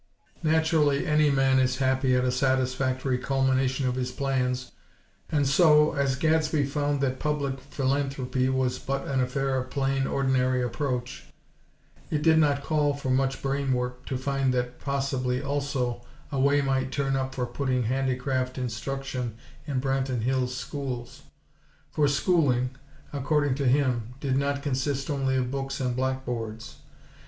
Naturally any man is happy at a satisfactory culmination of his plans and so, as Gadsby found that public philanthropy was but an affair of plain, ordinary approach, it did not call for much brain work to find that, possibly also, a way might turn up for putting handicraft instruction in Branton Hills' schools; for schooling, according to him, did not consist only of books and black boards.